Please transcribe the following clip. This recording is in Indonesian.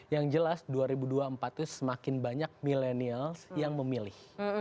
yang jelas dua ribu dua puluh empat itu semakin banyak milenials yang memilih